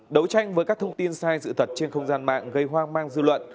đấu tranh với các thông tin sai sự thật trên không gian mạng gây hoang mang dư luận